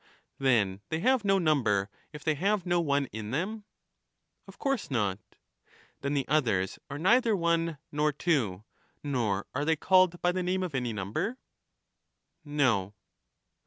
Then they have no number, if they have no one in them ? Of course not. Then the others are neither one nor two, nor are they called by the name of any number? No.